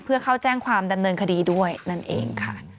เพื่อเข้าแจ้งความดำเนินคดีด้วยนั่นเองค่ะ